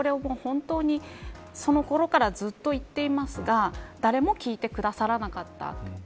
私は、これは本当にそのころからずっと言っていますが誰も聞いてくださらなかった。